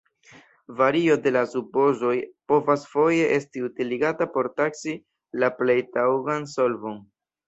Vario de la supozoj povas foje esti utiligata por taksi la plej taŭgan solvon.